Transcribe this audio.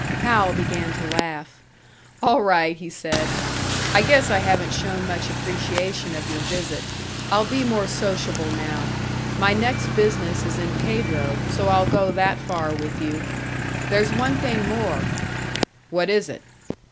Hal began to laugh. "All right," he said; "I guess I haven't shown much appreciation of your visit. I'll be more sociable now. My next business is in Pedro, so I'll go that far with you. There's one thing more " "What is it?"